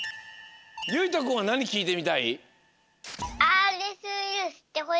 ゆいとくんはなにきいてみたい？